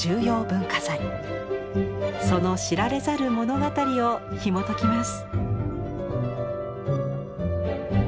その知られざる物語をひもときます。